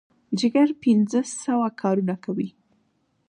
جګر پنځه سوه کارونه کوي.